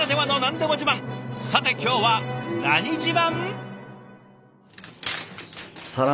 さて今日は何自慢？